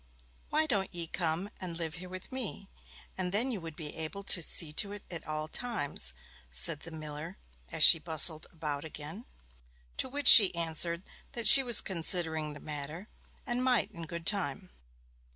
'Why don't ye come and live here with me, and then you would be able to see to it at all times?' said the miller as she bustled about again. To which she answered that she was considering the matter, and might in good time.